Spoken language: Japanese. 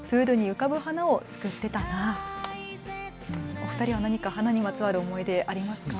お二人は何か花にまつわる思い出ありますか。